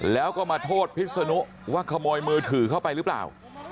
แล้วก็มาโทษพิษนุว่าขโมยมือถือเข้าไปหรือเปล่า